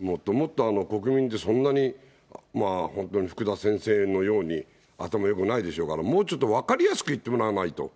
もっと国民って、そんなに、本当に福田先生のように、頭よくないでしょうから、もうちょっと分かりやすく言ってもらわないと。